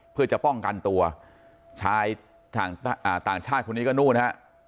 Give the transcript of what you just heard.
เพื่อจะป้องกันตัวชายต่างชาติคนนี้ก็นู่นฮะ